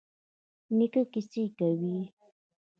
نیکه کیسې کوي.